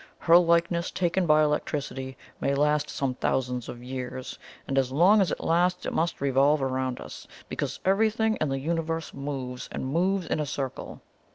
Her likeness, taken by electricity, may last some thousands of years, and as long as it lasts it must revolve around us, because everything in the universe moves, and moves in a circle.